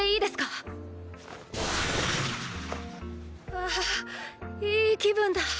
ああいい気分だ！